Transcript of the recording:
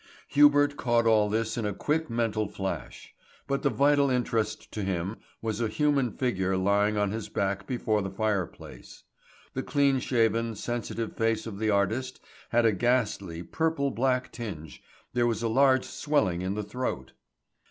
Hubert caught all this in a quick mental flash. But the vital interest to him was a human figure lying on his back before the fireplace. The clean shaven, sensitive face of the artist had a ghastly, purple black tinge, there was a large swelling in the throat.